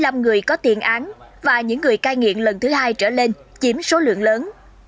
những người có tiền án và những người cai nghiện lần thứ hai trở lên chiếm số lượng lớn